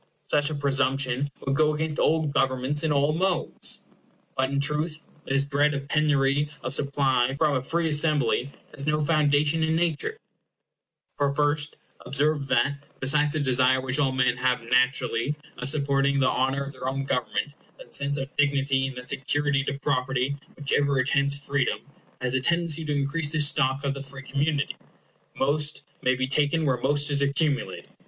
Such a presumption would go against all governments in all modes. But, in truth, this dread of penury of supply from a free assembly has no foundation in nature; for first, observe that, besides the desire which all men have naturally of supporting the honor of their own government, that sense of dignity and that security to property which ever attends freedom has a tendency to increase the stock of the free community. Most may be taken where most is accumulated.